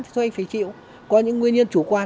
cho anh phải chịu có những nguyên nhân chủ quan